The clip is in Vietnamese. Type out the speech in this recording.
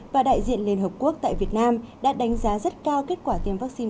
và đại diện liên hợp quốc tại việt nam đã đánh giá rất cao kết quả tiêm vaccine